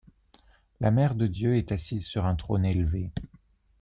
La Mère de Dieu est assise sur un trône élevé.